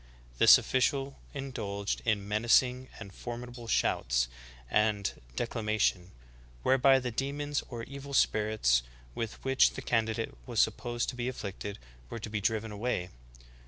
This official indulged in ''menacing and formidable shouts and declama tion'' whereby the demons or evil spirits with which the candidate was supposed to be afflicted were to be driven away.